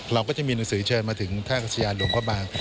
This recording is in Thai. เราก็จะมีหนังสือเชิญมาถึงท่ากัศยานหลวงพระบาง